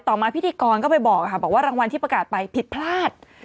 มาพิธีกรก็ไปบอกค่ะบอกว่ารางวัลที่ประกาศไปผิดพลาด